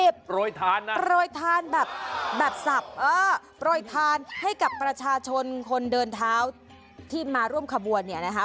โปรยทานแบบสับโปรยทานให้กับประชาชนคนเดินเท้าที่มาร่วมขบวนเนี่ยนะคะ